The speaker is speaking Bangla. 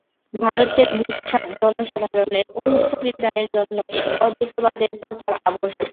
ভারতের মূক জনসাধারণের উন্নতিবিধানের জন্য এই অদ্বৈতবাদের প্রচার আবশ্যক।